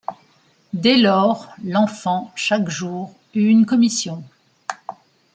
Dès lors, l’enfant, chaque jour, eut une commission.